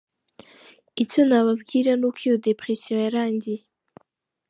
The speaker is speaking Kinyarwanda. Icyo nababwira ni uko iyo depression yarangiye”.